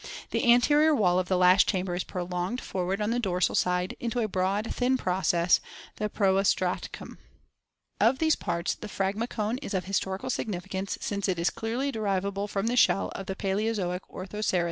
The anterior wall of the last chamber is prolonged for ward on the dorsal side into a broad, thin process, the proostracum. Of these parts the phragmacone is of historical significance since it is clearly derivable from the shell of the Paleozoic ortho Bdemrwid sheil.